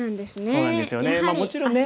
そうなんですよねもちろんね。